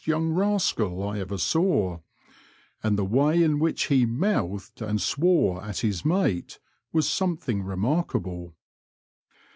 young rascal I ever saw, and the way in which he mouthed" and swore at his mate was something remarkable.